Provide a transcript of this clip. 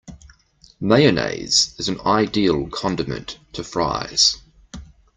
Mayonnaise is an ideal condiment to Fries.